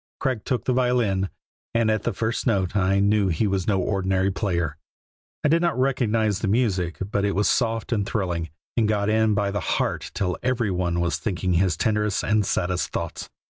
Craig took the violin, and at the first note I knew he was no ordinary player. I did not recognize the music, but it was soft and thrilling, and got in by the heart till every one was thinking his tenderest and saddest thoughts.